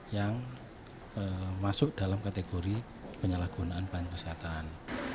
yang masuk dalam kategori penyalahgunaan pelayanan kesehatan